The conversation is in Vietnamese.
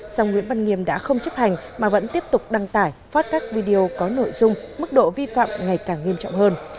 dòng nguyễn văn nghiêm đã không chấp hành mà vẫn tiếp tục đăng tải phát các video có nội dung mức độ vi phạm ngày càng nghiêm trọng hơn